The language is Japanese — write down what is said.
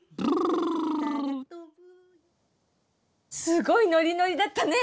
すごいノリノリだったね！